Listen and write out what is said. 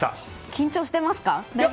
緊張してますか？